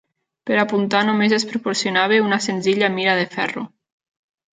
Per apuntar només es proporcionava una senzilla mira de ferro.